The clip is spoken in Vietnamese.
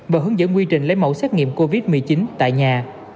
và hướng dẫn quy trình lấy mẫu xét nghiệm covid một mươi chín tại nhà